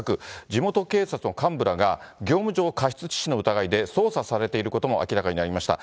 地元警察の幹部らが、業務上過失致死の疑いで、捜査されていることも明らかになりました。